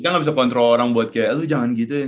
kan gak bisa kontrol orang buat kayak lu jangan gituin